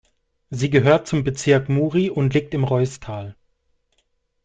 Sie gehört zum Bezirk Muri und liegt im Reusstal.